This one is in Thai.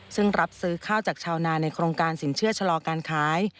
ซึ่งรับซื้อข้าวจากชาวนาในโครงการสินเชื่อชะลอการขาย